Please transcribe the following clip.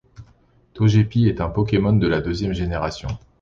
Togepi est un Pokémon de la deuxième génération.